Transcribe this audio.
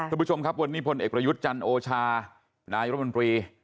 คุณผู้ชมครับวันนี้พลเอกประยุทธ์จันทร์โอชานายรมนตรี